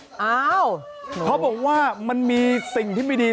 เขาบอกว่ามันมีสิ่งที่ไม่ดี